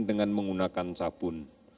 dengan menggunakan sabun